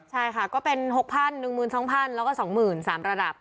ใช่ค่ะก็เป็น๖๐๐๐บาท๑๐๐๐บาท๒๐๐๐บาทแล้วก็๒๐๐๐บาท๓ระดับ